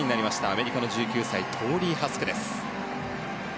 アメリカの１９歳トーリー・ハスクです。